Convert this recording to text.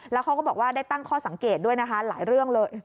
แล้วเขาก็บอกว่าได้ตั้งข้อสังเกตด้วยนะคะหลายเรื่องเลย